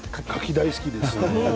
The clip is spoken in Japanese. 大好きです。